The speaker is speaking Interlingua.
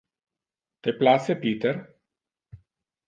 Te place Peter?